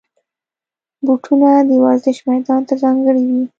بوټونه د ورزش میدان ته ځانګړي وي.